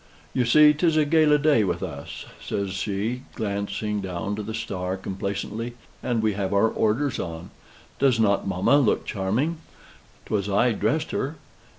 "You see, 'tis a gala day with us," says she, glancing down to the star complacently, "and we have our orders on. Does not mamma look charming? 'Twas I dressed her!"